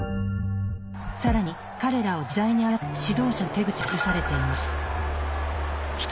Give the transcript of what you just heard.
更に彼らを自在に操る指導者の手口が記されています。